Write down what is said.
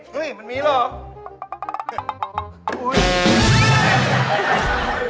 มันมีเหรอ